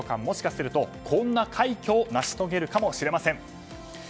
もしかすると、こんな快挙を成し遂げるかもしれません。